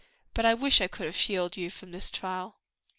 "But I wish I could have shielded you from this trial."